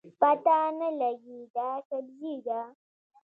پته نه لګي دا سبزي ده